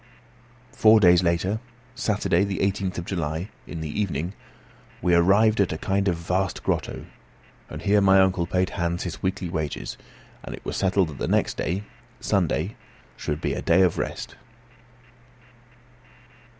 Four days later, Saturday, the 18th of July, in the evening, we arrived at a kind of vast grotto; and here my uncle paid Hans his weekly wages, and it was settled that the next day, Sunday, should be a day of rest.